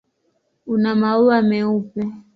Una maua meupe.